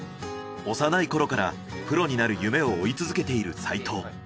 幼いころからプロになる夢を追い続けている斉藤。